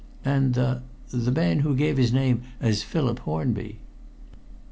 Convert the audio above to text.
"And the the man who gave his name as Philip Hornby?"